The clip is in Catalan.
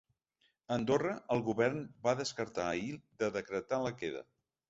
A Andorra, el govern va descartar ahir de decretar la queda.